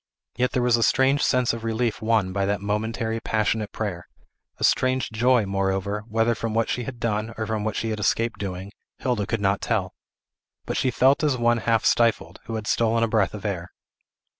Yet there was a strange sense of relief won by that momentary, passionate prayer; a strange joy, moreover, whether from what she had done, or for what she had escaped doing, Hilda could not tell. But she felt as one half stifled, who has stolen a breath of air.